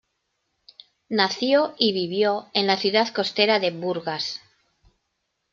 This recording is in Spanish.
Nació y vivió en la ciudad costera de Burgas.